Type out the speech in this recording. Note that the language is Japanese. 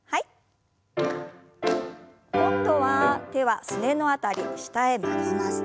今度は手はすねの辺り下へ曲げます。